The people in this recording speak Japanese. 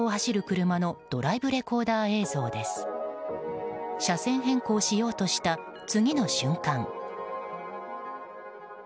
車線変更しようとした次の瞬間。